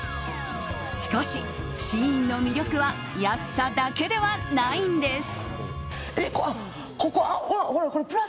しかし、ＳＨＥＩＮの魅力は安さだけではないんです。